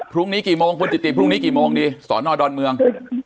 พรุ่งนี้กี่โมงคุณจิติพรุ่งนี้กี่โมงดีสอนอดอนเมือง